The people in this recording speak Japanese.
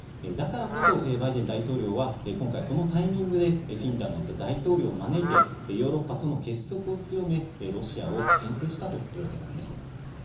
だからこそ、バイデン大統領は今回、このタイミングでフィンランドの大統領を招いて、ヨーロッパとの結束を強め、ロシアをけん制したというわけなんです。